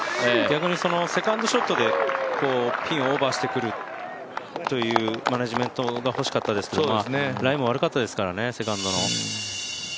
逆にセカンドショットでピンをオーバーしてくるというマネジメントが欲しかったですけどライも悪かったですからね、セカンドの。